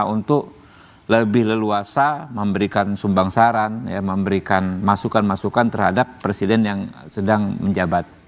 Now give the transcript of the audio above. untuk lebih leluasa memberikan sumbang saran memberikan masukan masukan terhadap presiden yang sedang menjabat